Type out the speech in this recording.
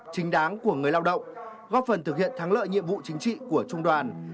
chính đáng của người lao động góp phần thực hiện thắng lợi nhiệm vụ chính trị của trung đoàn